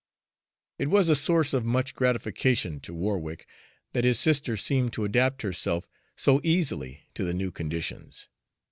It was a source of much gratification to Warwick that his sister seemed to adapt herself so easily to the new conditions.